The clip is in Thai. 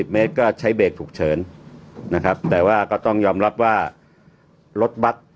เมตรก็ใช้เบรกฉุกเฉินนะครับแต่ว่าก็ต้องยอมรับว่ารถบัตร